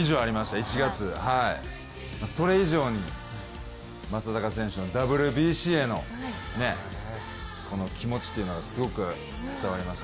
１月、それ以上に、正尚選手のＷＢＣへの気持ちというのがすごく伝わりました。